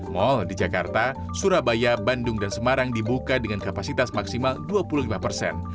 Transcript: mal di jakarta surabaya bandung dan semarang dibuka dengan kapasitas maksimal dua puluh lima persen